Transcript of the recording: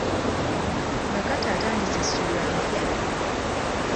Nakato atandise ssuula mpya.